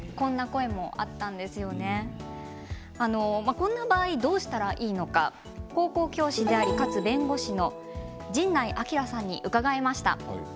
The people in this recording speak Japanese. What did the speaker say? こんな場合どうしたらいいのか高校教師であり、かつ弁護士の神内聡さんに伺いました。